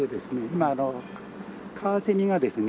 今カワセミがですね。